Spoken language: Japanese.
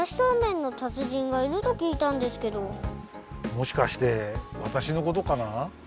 もしかしてわたしのことかな？